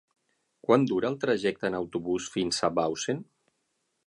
Quant dura el trajecte en autobús fins a Bausen?